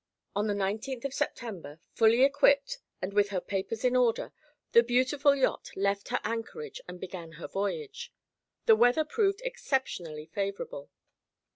On the nineteenth of September, fully equipped and with her papers in order, the beautiful yacht left her anchorage and began her voyage. The weather proved exceptionally favorable.